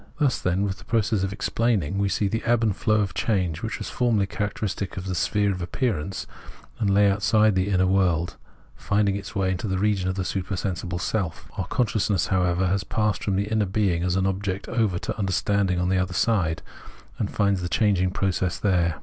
Thus, then, with the process of explaining, we see the ebb and flow of change, which was formerly char acteristic of the sphere of appearance, and lay outside the inner world, finding its way into the region of the supersensible itself. Our consciousness, however, has passed from the inner being as an object over to under standing on the other side, and finds the changing process there.